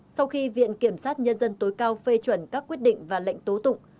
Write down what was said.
sau khi viện kiểm sát nhân dân tối cao phê chuẩn các quyết định và lệnh tố tụng